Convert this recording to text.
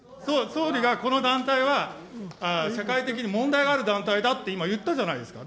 総理がこの団体は社会的に問題がある団体だって今、言ったじゃないですか。